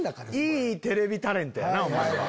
いいテレビタレントやなお前は。